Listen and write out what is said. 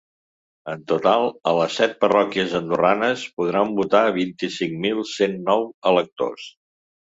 En total, a les set parròquies andorranes, podran votar vint-i-cinc mil cent nou electors.